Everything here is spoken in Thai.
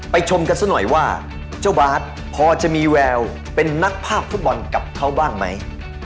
ชมกันซะหน่อยว่าเจ้าบาทพอจะมีแววเป็นนักภาคฟุตบอลกับเขาบ้างไหม